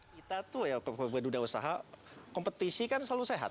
kita tuh ya dunia usaha kompetisi kan selalu sehat